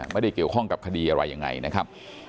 ไม่ได้เกี่ยวข้องกับคดีอะไรยังไงนะครับ